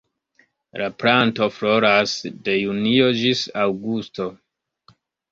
La planto floras de junio ĝis aŭgusto.